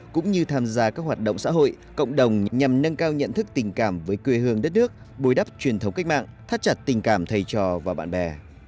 cũng như tham gia các hoạt động xã hội cộng đồng nhằm nâng cao nhận thức tình cảm với quê hương đất nước bối đắp truyền thống cách mạng thắt chặt tình cảm thầy trò và bạn bè